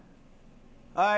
はい。